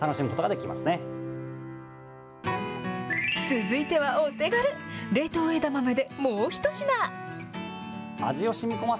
続いてはお手軽、冷凍枝豆でもう一品。